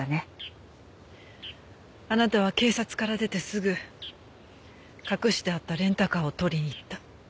あなたは警察から出てすぐ隠してあったレンタカーを取りに行った。